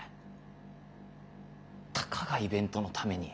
たかがイベントのために。